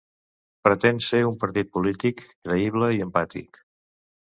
Pretén ser un partit polític creïble i empàtic.